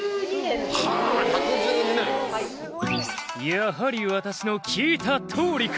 「やはり私の聞いた通りか！」